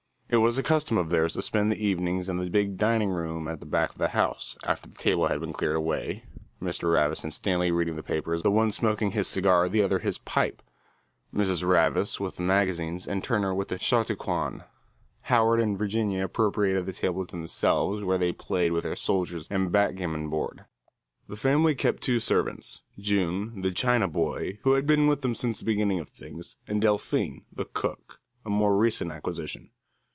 It was a custom of theirs to spend the evenings in the big dining room at the back of the house, after the table had been cleared away, Mr. Ravis and Stanley reading the papers, the one smoking his cigar, the other his pipe; Mrs. Ravis, with the magazines and Turner with the Chautauquan. Howard and Virginia appropriated the table to themselves where they played with their soldiers and backgammon board. The family kept two servants, June the "China boy," who had been with them since the beginning of things, and Delphine the cook, a more recent acquisition.